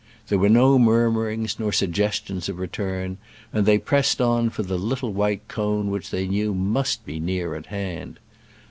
There were no murmurings nor suggestions of re turn, and they pressed on for the little white cone which they knew must be near at hand.